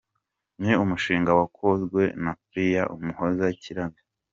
Ni umushinga wakozwe na Pearl Umuhoza Kirabyo.